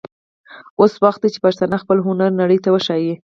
اوس وخت دی چې پښتانه خپل هنر نړۍ ته وښايي.